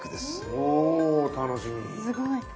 すごい。